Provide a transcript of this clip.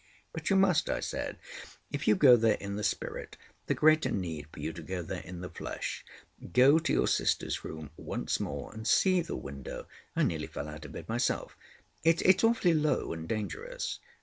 "But you must," I said. "If you go there in the spirit the greater need for you to go there in the flesh. Go to your sister's room once more, and see the window—I nearly fell out of it myself. It's—it's awfully low and dangerous.